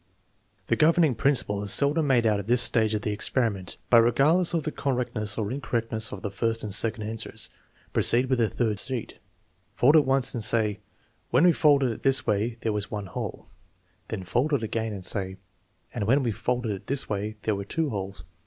The governing principle is seldom made out at this stage of the experiment. But regardless of the cor rectness or incorrectness of the first and second answers, proceed with the third sheet. Fold it once and say: " When we folded it this way there was one hole''' Then fold it again and say: "And when we folded it this way there were two holes."